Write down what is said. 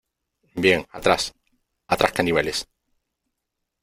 ¡ Bien , atrás !¡ atrás , caníbales !